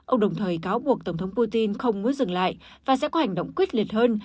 ông đồng thời cáo buộc tổng thống putin không muốn dừng lại và sẽ có hành động quyết liệt hơn